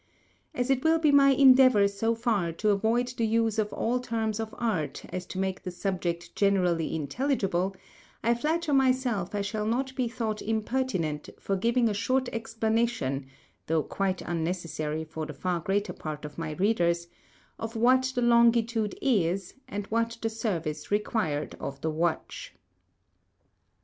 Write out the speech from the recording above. As it will be my Endeavour so far to avoid the Use of all Terms of Art as to make the Subject generally intelligible, I flatter myself I shall not be thought impertinent for giving a short Explanation (though quite unnecessary to the far greater Part of my Readers) of what the Longitude is, and what the Service required of the Watch.